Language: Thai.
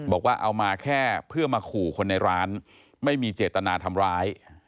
บอกว่าเอามาแค่เพื่อมาขู่คนในร้านไม่มีเจตนาทำร้าย